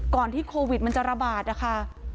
ก่อนที่โควิดมันจะระบาดอ่ะค่ะ